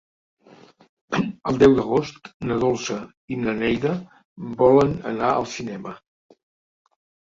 El deu d'agost na Dolça i na Neida volen anar al cinema.